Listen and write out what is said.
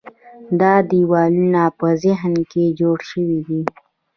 دا دیوالونه په ذهن کې جوړ شوي دي.